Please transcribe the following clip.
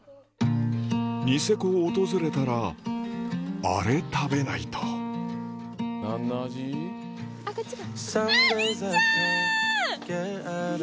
ニセコを訪れたらあれ食べないとあら！